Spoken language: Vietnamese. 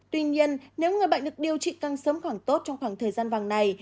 tuy nhiên nếu người bệnh được điều trị càng sớm càng tốt trong khoảng thời gian vàng này